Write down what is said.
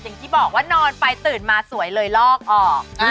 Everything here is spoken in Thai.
อย่างที่บอกว่านอนไปตื่นมาสวยเลยลอกออก